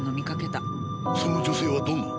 その女性はどんな？